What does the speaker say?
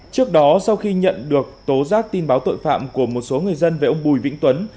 trước đó sau khi nhận được tố giác tin báo tội phạm của một số người dân về ông bùi vĩnh tuấn